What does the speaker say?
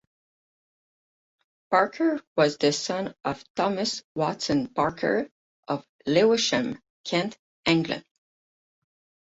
Parker was the son of Thomas Watson Parker of Lewisham, Kent, England.